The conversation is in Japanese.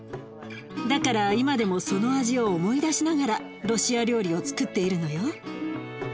だから今でもその味を思い出しながらロシア料理をつくっているのよ。